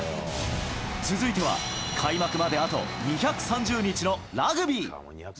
続いては開幕まであと２３０日のラグビー。